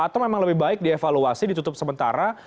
atau memang lebih baik dievaluasi ditutup sementara